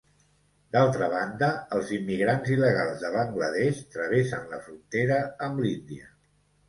D'altra banda, els immigrants il·legals de Bangla Desh travessen la frontera amb l'Índia.